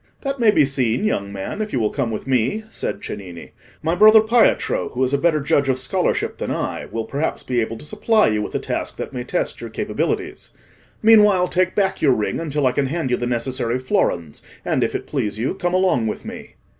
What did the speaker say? "That may be seen, young man, if you will come with me," said Cennini. "My brother Pietro, who is a better judge of scholarship than I, will perhaps be able to supply you with a task that may test your capabilities. Meanwhile, take back your ring until I can hand you the necessary florins, and, if it please you, come along with me."